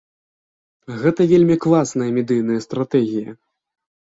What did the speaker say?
Гэта вельмі класная медыйная стратэгія.